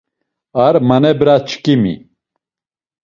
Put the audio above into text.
Ar manebraçkimi.